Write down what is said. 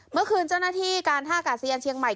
เมื่อคืนเจ้าหน้าที่การท่ากาศยานเชียงใหม่